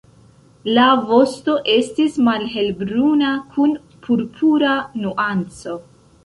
La vosto estis malhelbruna kun purpura nuanco.